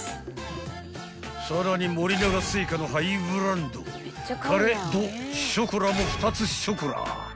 ［さらに森永製菓のハイブランドカレ・ド・ショコラも２つショコラ］